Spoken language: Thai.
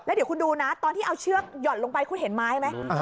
เดี๋ยวคุณดูนะตอนที่เอาเชือกหย่อนลงไปคุณเห็นไม้ไหม